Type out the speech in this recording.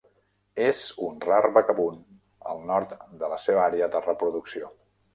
És un rar vagabund al nord de la seva àrea de reproducció.